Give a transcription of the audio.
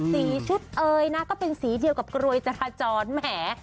สีชุดเอยนะก็เป็นสีเดียวกับกรวยจราจรแหม